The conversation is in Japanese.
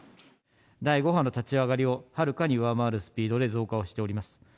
第５波の立ち上がりをはるかに上回るスピードで増加をしております。